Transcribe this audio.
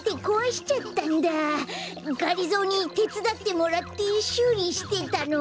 がりぞーにてつだってもらってしゅうりしてたの。